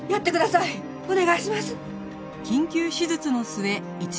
お願いします！